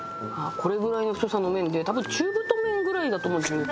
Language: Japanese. これぐらいの太さの麺で多分中太麺ぐらいだと思うんですよね。